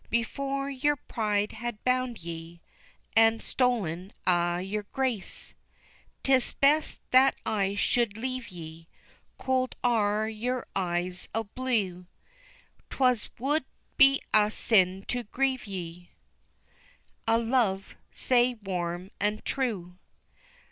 Before yer pride had bound ye, An' stolen a' yer grace. 'Tis best that I should leave ye, Cold are your eyes o' blue, 'Twould be a sin to grieve ye, A love sae warm an' true.